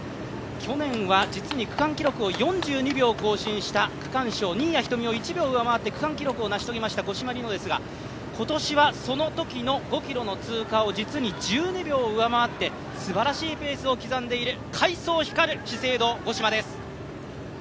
去年は実に区間記録を４５秒更新した新谷仁美を１秒上回って区間記録を成し遂げましたが、今年はそのときの５ｋｍの通過を実に１２秒上回ってすばらしいペースを刻んでいる快走光る資生堂・五島です。